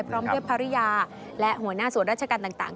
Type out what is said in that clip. พร้อมเพื่อภารยาและหัวหน้าสวรรค์ราชการต่าง